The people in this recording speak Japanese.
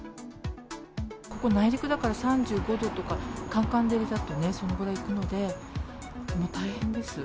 ここ、内陸だから３５度とか、かんかん照りだとね、そのくらいいくので、もう大変です。